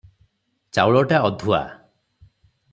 ଚାଉଳଟା ଅଧୂଆ ।